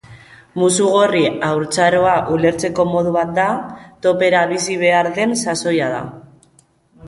Muxugorri haurtzaroa ulertzeko modu bat da, topera bizi behar den sasoia da.